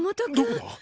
どこだ？